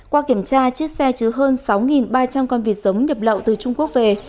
qua kiểm tra chiếc xe chứa hơn sáu ba trăm linh con vịt giống nhập lậu từ trung quốc về